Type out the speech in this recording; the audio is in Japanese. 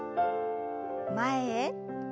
前へ。